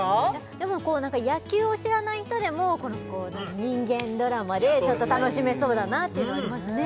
でもこう何か野球を知らない人でも人間ドラマでちょっと楽しめそうだなっていうのはありますね